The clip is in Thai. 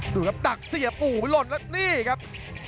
ดูครับดักเสียบปูหล่นแล้วนี่ครับ